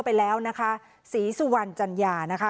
ไปแล้วนะคะศรีสุวรรณจัญญานะคะ